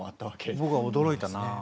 僕は驚いたな。